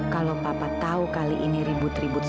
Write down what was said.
kalau papa tau kali ini ribut ributnya